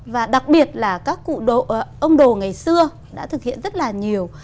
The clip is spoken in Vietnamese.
và đặc biệt là các cụ ông đồ ngày xưa đã thực hiện rất là nhiều